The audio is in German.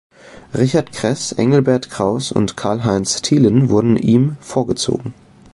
Richard Kreß, Engelbert Kraus und Karl-Heinz Thielen wurden ihm vorgezogen.